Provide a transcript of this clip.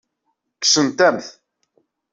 Kksent-am-t.